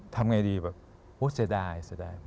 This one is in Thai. ทำไงดีแบบโอ๊ยเสียดาย